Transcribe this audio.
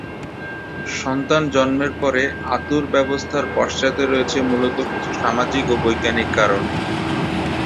সন্তান জন্মের পর এ অাঁতুড় ব্যবস্থার পশ্চাতে রয়েছে মূলত কিছু সামাজিক ও বৈজ্ঞানিক কারণ।